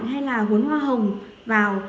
hay là huấn hoa hồng vào